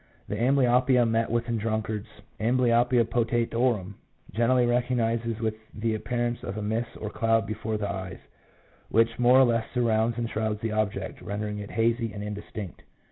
The amblyopia met with in drunkards {amblyopia potatorum) generally commences with the appearance of a mist or cloud before the eyes, which more or less surrounds and shrouds the object, rendering it hazy and indistinct.